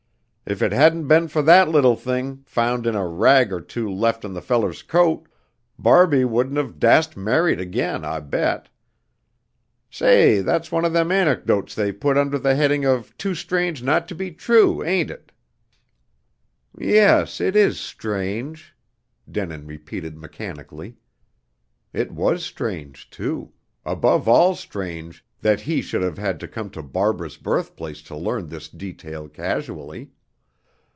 If it hadn't been for that little thing, found in a rag or two left of the feller's coat, Barbie wouldn't have dast married again, I bet. Say, that's one of them anecdotes they put under the heading of 'Too Strange not to be True!' ain't it?" "Yes, it is strange," Denin repeated mechanically. It was strange, too above all strange that he should have had to come to Barbara's birthplace to learn this detail casually.